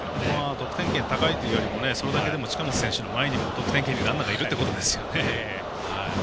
得点圏が高いということはそれだけでも近本選手の前にも得点圏にランナーがいるっていうことですよね。